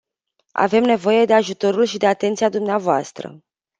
Avem nevoie de ajutorul și de atenția dvs.